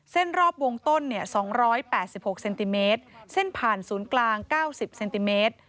เส้นรอบวงต้นเนี้ยสองร้อยแปดสิบหกเซนติเมตรเส้นผ่านศูนย์กลางเก้าสิบเซนติเมตร